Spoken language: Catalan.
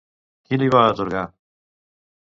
Qui li va atorgar?